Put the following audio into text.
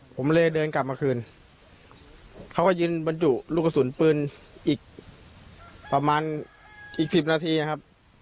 ผมเลยเดินกลับมาคืนเขาก็ยืนบรรจุลูกกระสุนปืนอีกประมาณอีก๑๐นาทีครับ